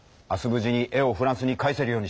無事に絵をフランスに返せるようにしよう！